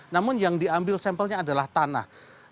namun yang diambil sampelnya adalah tanah